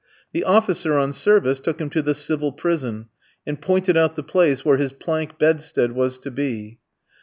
The officer on service took him to the civil prison, and pointed out the place where his plank bedstead was to be.